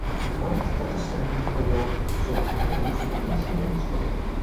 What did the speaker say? Ik hoop dat de stemming verloopt zoals wij in onze commissie wensen.